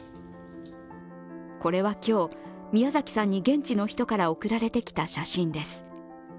これは今日、ミヤザキさんに現地の人から送られてきた写真です。